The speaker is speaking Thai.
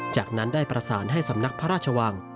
จากนั้นได้ประสานให้สำนักพระราชวัง